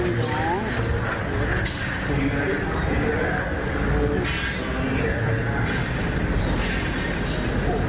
อัธิลูกเห็นไงเสมอไงเลยเยอะเมื่อล่ะเมื่อล่ะรู้งาน